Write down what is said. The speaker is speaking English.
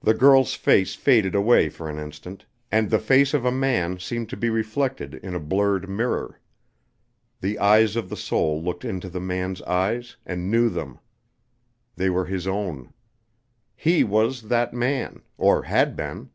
The girl's face faded away for an instant, and the face of a man seemed to be reflected in a blurred mirror. The eyes of the soul looked into the man's eyes and knew them. They were his own. He was that man, or had been.